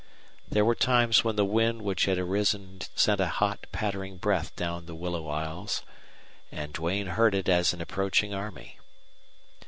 There were times when the wind which had arisen sent a hot, pattering breath down the willow aisles, and Duane heard it as an approaching army.